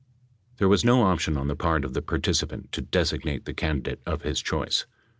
There was no option on the part of the participant to designate the candidate of his choice.